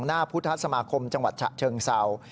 หน้าพุทธสมาคมจังหวัดฉะเชิงเศร้า